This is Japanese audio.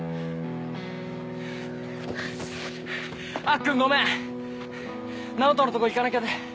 アッくんごめんナオトのとこ行かなきゃで。